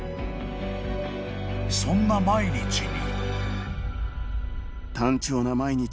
［そんな毎日に］